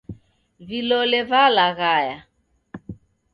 Vilole valaghaya.